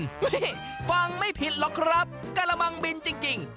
ฟังไม่ผิดหรอกครับกระมังบินจริง